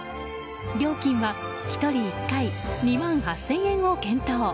料金は１人１回２万８０００円を検討。